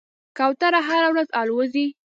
کوتره هره ورځ الوځي.